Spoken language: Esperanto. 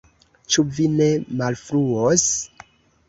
Ĉu vi ne malfruos?